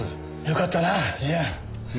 よかったな淳！